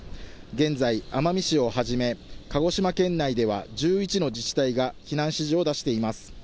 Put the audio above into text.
現在、奄美市をはじめ、鹿児島県内では１１の自治体が避難指示を出しています。